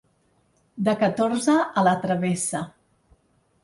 De catorze a la travessa.